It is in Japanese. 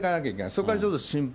そこはちょっと心配。